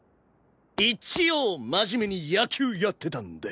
一応真面目に野球やってたんで。